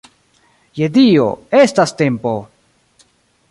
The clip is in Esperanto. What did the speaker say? Je Dio, estas tempo!